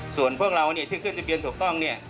ส่วนพวกเราที่ขึ้นทะเบียนถูกต้อง